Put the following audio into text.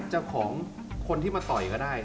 เจ้าของคนที่มาต่อยก็ได้